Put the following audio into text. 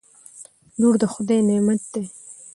لور دخدای نعمت ده